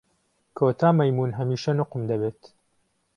کۆتا مەیموون هەمیشە نوقم دەبێت.